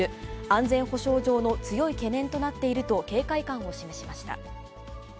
安全保障上の強い懸念となっていると、警戒感を示しました。